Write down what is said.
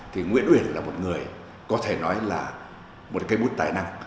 thì nguyễn uyển là một người có thể nói là một cây bút tài năng